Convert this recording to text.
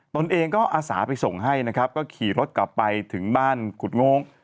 ตนเองก็อาสาไปส่งให้นะครับก็ขี่รถกลับไปถึงบ้านกุฎโง้ง